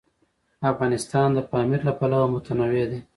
افغانستان د پامیر له پلوه متنوع دی.